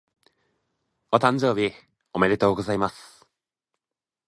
お誕生日おめでとうございます。